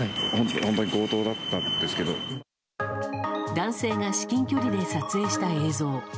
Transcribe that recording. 男性が至近距離で撮影した映像。